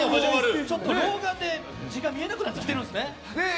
老眼で時間が見えなくなってきてるんですね。